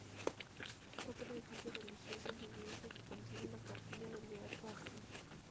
Otro edificio religioso es la iglesia que contiene la Capilla del Beato Agno.